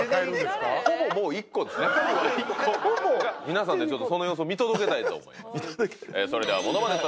皆さんでその様子を見届けたいと思います